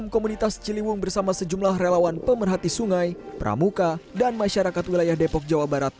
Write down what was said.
komunitas ciliwung bersama sejumlah relawan pemerhati sungai pramuka dan masyarakat wilayah depok jawa barat